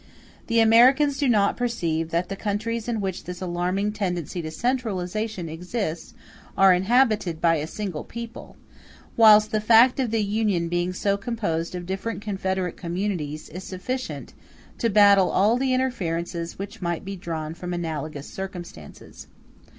The Americans do not perceive that the countries in which this alarming tendency to centralization exists are inhabited by a single people; whilst the fact of the Union being composed of different confederate communities is sufficient to baffle all the inferences which might be drawn from analogous circumstances.